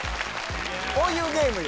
こういうゲームよ